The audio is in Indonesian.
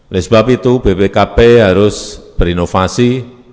oleh sebab itu bpkp harus berinovasi